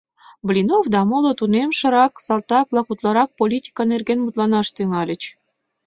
Блинов да моло тунемшырак салтак-влак утларак политика нерген мутланаш тӱҥальыч.